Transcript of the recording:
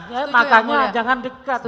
ya makanya jangan dekat